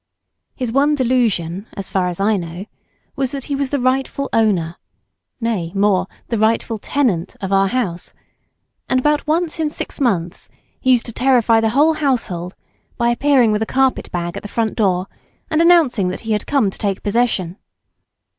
His one delusion, as far as I know, was that he was the rightful owner, nay, more, the rightful tenant of our house, and about once in six months he used to terrify the whole household by appearing with a carpet bag at the front door and announcing that he had come to take possession.